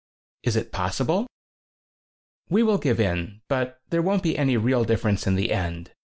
"Is it possible?" "We will give in, but there won't be any real difference in the end.